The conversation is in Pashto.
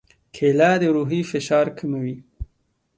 کېله د روحي فشار کموي.